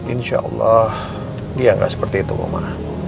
insya allah dia gak seperti itu mama